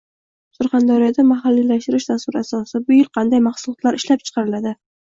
Surxondaryoda mahalliylashtirish dasturi asosida bu yil qanday mahsulotlar ishlab chiqariladi?